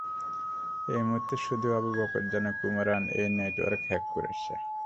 এই মুহুর্তে, শুধু আবু বকর জানে কুমারান এই নেটওয়ার্ক হ্যাক করেছে।